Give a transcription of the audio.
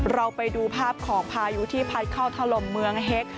เราไปดูภาพของพายุที่พัดเข้าถล่มเมืองเฮ็ก